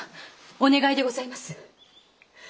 お願いでございます。